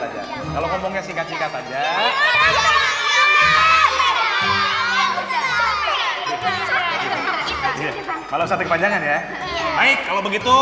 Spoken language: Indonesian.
aja kalau ngomongnya singkat singkat aja malah satu panjangannya baik kalau begitu